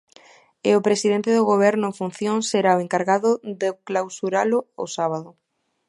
E o presidente do Goberno en funcións será o encargado de clausuralo o sábado.